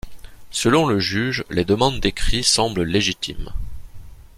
Selon le juge, les demandes des Cris semblent légitimes.